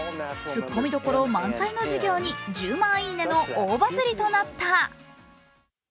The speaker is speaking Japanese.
突っ込みどころ満載の授業に１０万いいねの大バズりとなった。